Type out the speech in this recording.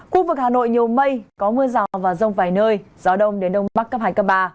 khu vực hà nội nhiều mây có mưa rào và rông vài nơi gió đông đến đông bắc cấp hai cấp ba